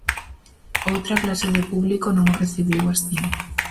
Outra clase de público non o recibiu así.